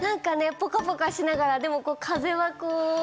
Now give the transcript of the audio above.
ポカポカしながらでも風はこう。